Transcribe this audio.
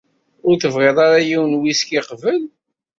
Ur tebɣiḍ ara yiwen n whisky qebel?